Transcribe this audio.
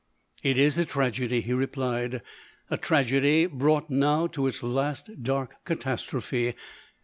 " It is a tragedy,'' he replied; " a tragedy brought now to its last dark catastrophe.